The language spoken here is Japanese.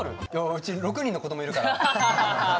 うち６人の子どもいるから。